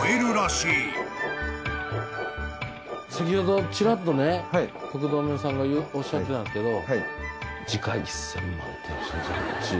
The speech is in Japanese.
先ほどちらっとね徳留さんがおっしゃってたんですけど。